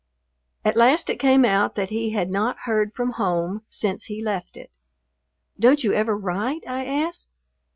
At last it came out that he had not heard from home since he left it. "Don't you ever write?" I asked.